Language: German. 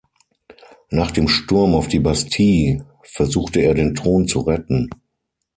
Nach dem Sturm auf die Bastille versuchte er den Thron zu retten.